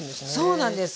そうなんです。